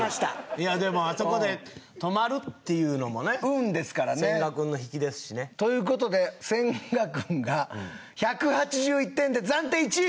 いやでもあそこで止まるっていうのもね運ですからね千賀君の引きですしねということで千賀君が１８１点で暫定１位！